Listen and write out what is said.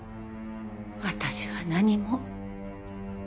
私は何も。